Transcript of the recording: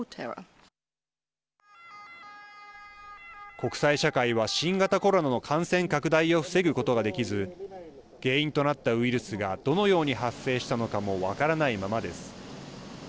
国際社会は新型コロナの感染拡大を防ぐことができず原因となったウイルスがどのように発生したのかも分からないままです。